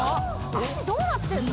足どうなってんの？